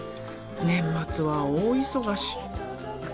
年末は大忙し。